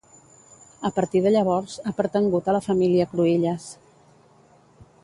A partir de llavors ha pertangut a la família Cruïlles.